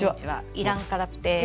イランカラプテ。